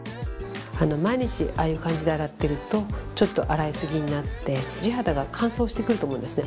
毎日ああいう感じで洗ってるとちょっと洗い過ぎになって地肌が乾燥してくると思うんですね